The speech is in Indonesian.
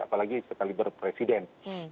apalagi sekali berpresiden